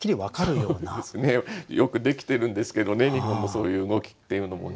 そうですねよくできてるんですけどね日本のそういう動きっていうのもね。